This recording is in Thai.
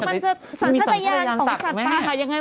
มันจะสัญญาณของพี่สัตว์ป่าค่ะยังไง